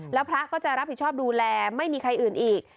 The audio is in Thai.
แล้วพระก็จะรับผิดชอบดูแลไม่มีใครอื่นอีก